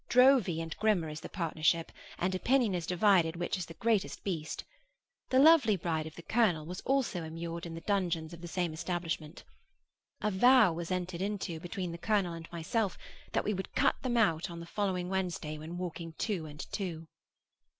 Drowvey and Grimmer is the partnership, and opinion is divided which is the greatest beast. The lovely bride of the colonel was also immured in the dungeons of the same establishment. A vow was entered into, between the colonel and myself, that we would cut them out on the following Wednesday when walking two and two.